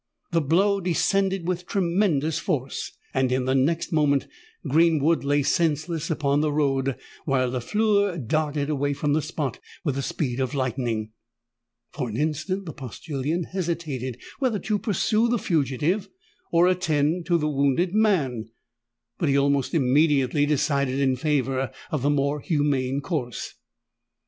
The blow descended with tremendous force: and in the next moment Greenwood lay senseless on the road, while Lafleur darted away from the spot with the speed of lightning. For an instant the postillion hesitated whether to pursue the fugitive or attend to the wounded man; but he almost immediately decided in favour of the more humane course.